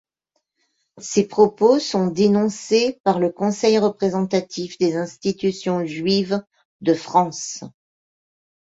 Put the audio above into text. Ces propos sont dénoncés par le Conseil représentatif des institutions juives de France.